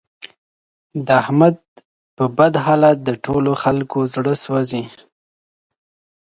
د احمد په بد حالت د ټول خکلو زړه سوځي.